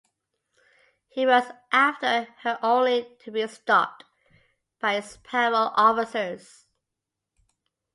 He runs after her only to be stopped by his parole officers.